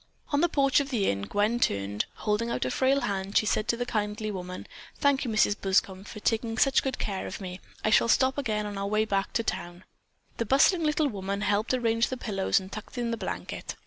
On the porch of the Inn, Gwen turned and, holding out a frail hand, she said to the kindly woman: "Thank you, Mrs. Buscom, for having taken such good care of me. I shall stop again on our way back to town." The bustling little woman helped arrange the pillows and tucked in the blanket.